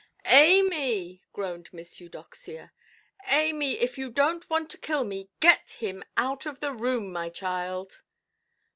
"Amy", groaned Miss Eudoxia—"Amy, if you donʼt want to kill me, get him out of the room, my child".